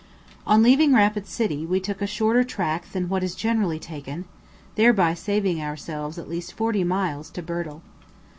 On leaving Rapid City, we took a shorter track than what is generally taken, thereby saving ourselves at least forty miles to Birtle.